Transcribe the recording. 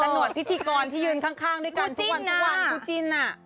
ตัหนวดพิธีกรที่ยืนข้างด้วยกันทุกวัน